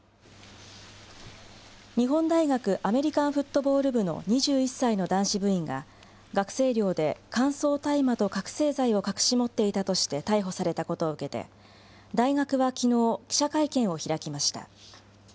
日本大学アメリカンフットボール部の２１歳の男子部員が、学生寮で乾燥大麻と覚醒剤を隠し持っていたとして逮捕されたことを受けて、大学はきのう、記者会見を開きました。